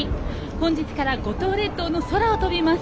本日から五島列島の空を飛びます。